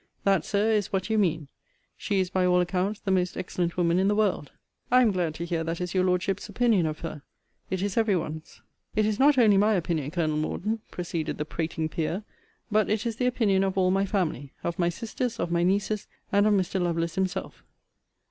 That, Sir, is what you mean. She is, by all accounts, the most excellent woman in the world. I am glad to hear that is your Lordship's opinion of her. It is every one's. It is not only my opinion, Col. Morden (proceeded the prating Peer), but it is the opinion of all my family. Of my sisters, of my nieces, and of Mr. Lovelace himself.